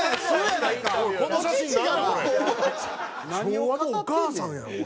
昭和のお母さんやんこれ。